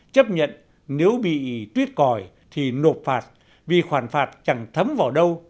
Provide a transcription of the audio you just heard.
chấp nhận nếu bị tuyết còi thì nộp phạt vì khoản phạt chẳng thấm vào đâu